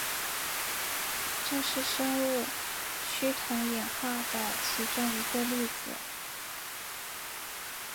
这是生物趋同演化的其中一个例子。